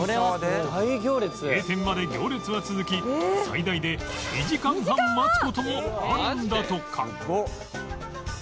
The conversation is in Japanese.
閉店まで行列は続き最大で２時間半待つ事もあるんだとか